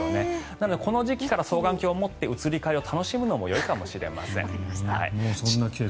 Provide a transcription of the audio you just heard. なのでこの時期から双眼鏡を持って移り変わりを楽しむのももうそんな季節。